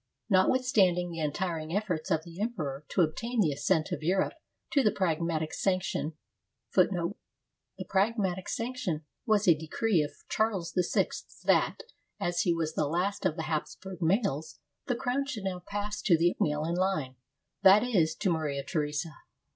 Notwithstanding the untiring efforts of the Emperor to obtain the assent of Europe to the Pragmatic Sanction,^ many influential courts refused to recognize the 1 The "Pragmatic Sanction" was a decree of Charles VI that, as he was the hist of the Hapsburg males, the crown should now pass to the female line, that is, to Maria Theresa.